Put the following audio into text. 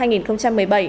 giai đoạn hai